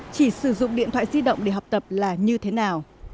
chỉ sử dụng điện thoại di động để học tập là như thế nào